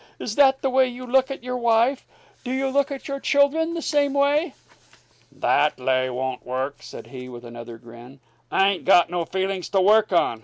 "Is that the way you look at your wife? Do you look at your children the same way?" "That lay won't work," said he, with another grin. "I ain't got no feelings to work on.